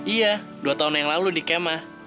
iya dua tahun yang lalu di kema